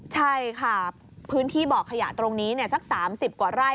ใช่ค่ะพื้นที่บ่อขยะตรงนี้สัก๓๐กว่าไร่